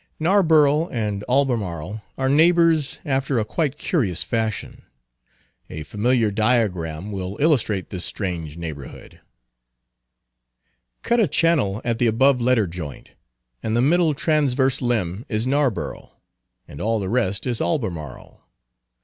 Narborough and Albemarle are neighbors after a quite curious fashion. A familiar diagram will illustrate this strange neighborhood: Cut a channel at the above letter joint, and the middle transverse limb is Narborough, and all the rest is Albemarle.